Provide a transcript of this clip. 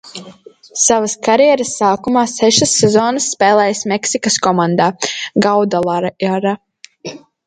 "Savas karjeras sākumā sešas sezonas spēlējis Meksikas komandā "Guadalajara"."